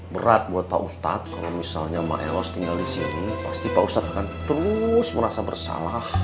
berat buat pak ustadz kalau misalnya mbak elos tinggal di sini pasti pak ustadz akan terus merasa bersalah